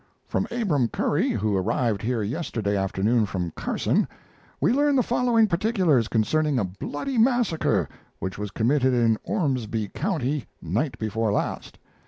From Abram Curry, who arrived here yesterday afternoon from Carson, we learn the following particulars concerning a bloody massacre which was committed in Ormsby County night before last.